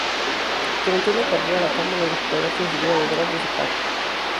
Durante una carrera, la cámara del jugador se sitúa detrás de su kart.